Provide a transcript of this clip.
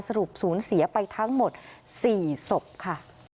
ศูนย์เสียไปทั้งหมด๔ศพค่ะ